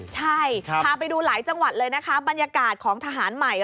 ใช่พาไปดูหลายจังหวัดเลยนะคะบรรยากาศของทหารใหม่